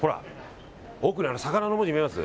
奥の魚の文字見えます？